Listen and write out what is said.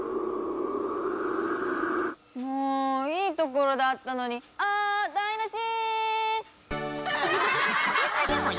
もういいところだったのにあだいなし！